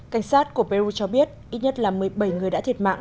cảnh sát của peru cho biết ít nhất là một mươi bảy người đã thiệt mạng